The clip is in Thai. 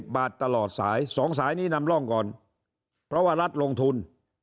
บาทตลอดสาย๒สายนี้นำร่องก่อนเพราะว่ารัฐลงทุน